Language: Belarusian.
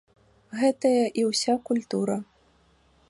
Гэтая і ўся культура.